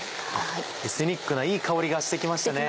エスニックないい香りがして来ましたね。